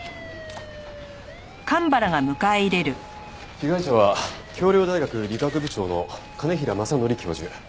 被害者は京陵大学理工学部長の兼平政則教授。